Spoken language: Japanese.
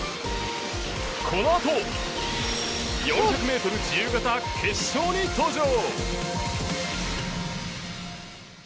このあと４００ｍ自由形決勝に登場。